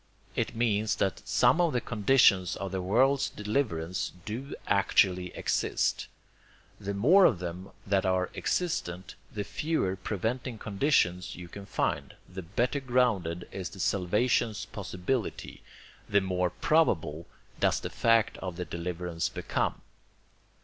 It means that some of the conditions of the world's deliverance do actually exist. The more of them there are existent, the fewer preventing conditions you can find, the better grounded is the salvation's possibility, the more PROBABLE does the fact of the deliverance become.